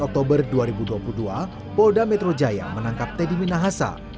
oktober dua ribu dua puluh dua polda metro jaya menangkap teddy minahasa